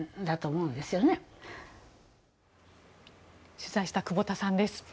取材した久保田さんです。